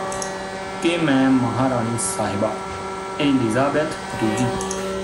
ਕਿ ਮੈਂ ਮਹਾਰਾਣੀ ਸਾਹਿਬਾ ਏਲਿਜ਼ਾਬੈਥ ਦੂਜੀ